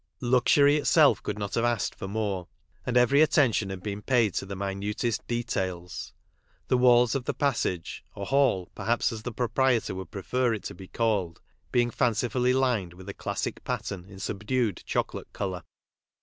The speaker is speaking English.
Luxury itself could not have asked for more, and every attention had been paid to the minute3t de tails, the walls of the passage, or hall, perhaps, as the proprietor would prefer it to be called, being fancifully lined with a classic pattern in subdued chocolate colour.